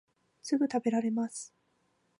すぐたべられます